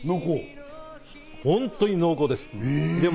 本当に濃厚です。